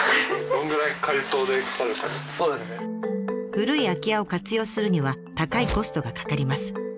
古い空き家を活用するには高いコストがかかります。